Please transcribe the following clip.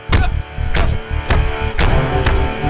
keh keh keh keh